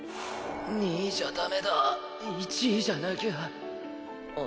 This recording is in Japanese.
２位じゃダメだ１位じゃなきゃ。